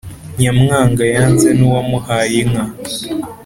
Nyamwanga yanze n’uwamuhaye inka.